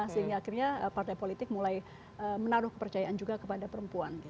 sehingga akhirnya partai politik mulai menaruh kepercayaan juga kepada perempuan